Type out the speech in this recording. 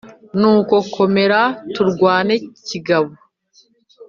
Nuko komera turwane kigabo